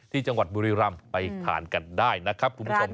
ที่จังหวัดบุรีรำไปทานกันได้นะครับคุณผู้ชม